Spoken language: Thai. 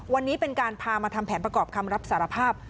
วันนี้เป็นการพามาทำแผนประกอบคำรับสารภาพ